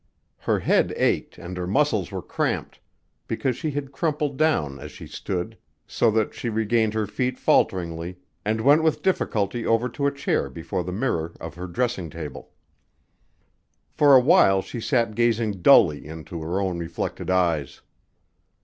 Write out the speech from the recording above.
Her head ached and her muscles were cramped, because she had crumpled down as she stood, so that she regained her feet falteringly and went with difficulty over to a chair before the mirror of her dressing table. For awhile she sat gazing dully into her own reflected eyes.